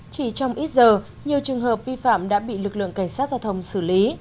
chỉ trong ít giờ nhiều trường hợp vi phạm đã bị lực lượng cảnh sát giao thông xử lý